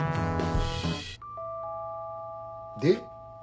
で？